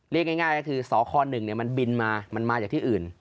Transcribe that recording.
เรียกง่ายก็คือสค๑มันบินมามันมาจากที่อื่น